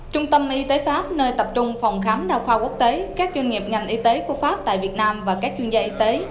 trung tâm y tế pháp nơi tập trung phòng khám đào khoa quốc tế các doanh nghiệp ngành y tế của pháp tại việt nam và các chuyên gia y tế